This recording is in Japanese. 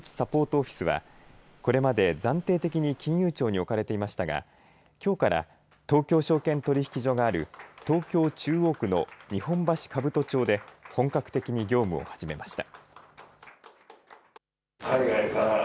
オフィスはこれまで暫定的に金融庁に置かれていましたがきょうから東京証券取引所がある東京、中央区の日本橋兜町で本格的に業務を始めました。